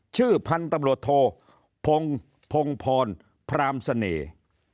ชื่อพันธุ์ตำรวจโทพงพงพรพรามเสน่ห์